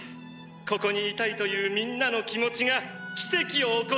ここにいたいというみんなの気持ちが奇跡を起こしたんだ。